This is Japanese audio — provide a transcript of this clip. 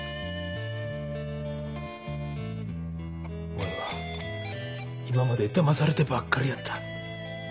おれは今までだまされてばっかりやった。